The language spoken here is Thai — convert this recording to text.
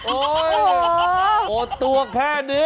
โอ้ยโตตัวแค่นี้